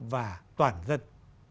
và toàn dân